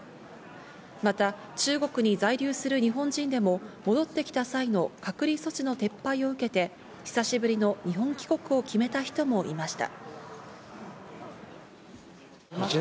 また中国に在留する日本人でも、戻ってきた際の隔離措置の撤廃を受けて久しぶりの日本帰国を決めた人もいました。